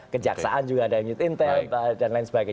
kejaksaan juga ada new intel dan lain sebagainya